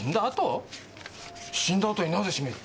死んだあとになぜ絞める？